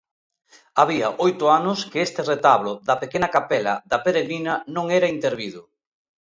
Había oito anos que este retablo da pequena capela da Peregrina non era intervido.